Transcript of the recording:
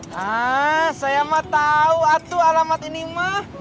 hah saya mah tau atuh alamat ini mah